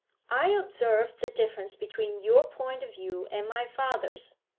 I observe the difference between your point of view and my father's.